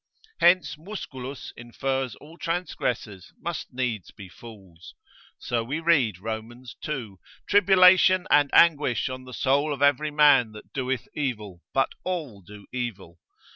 Hence Musculus infers all transgressors must needs be fools. So we read Rom. ii., Tribulation and anguish on the soul of every man that doeth evil; but all do evil.